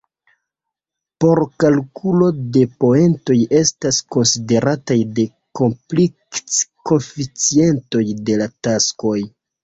Por kalkulo de poentoj estas konsiderataj la komplikec-koeficientoj de la taskoj.